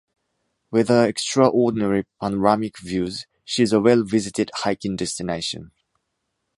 With her extraordinary panoramic views she is a well visited hiking destination.